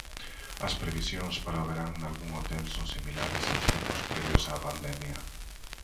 As previsións para o verán nalgún hotel son similares aos tempos previos á pandemia.